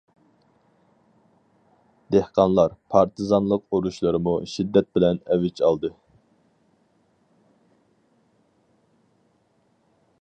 دېھقانلار پارتىزانلىق ئۇرۇشلىرىمۇ شىددەت بىلەن ئەۋج ئالدى.